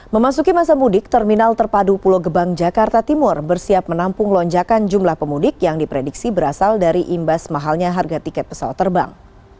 memasuki masa mudik terminal terpadu pulau gebang jakarta timur bersiap menampung lonjakan jumlah pemudik yang diprediksi berasal dari imbas mahalnya harga tiket pesawat terbang